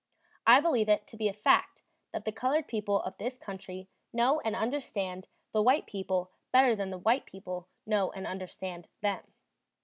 I believe it to be a fact that the colored people of this country know and understand the white people better than the white people know and understand them.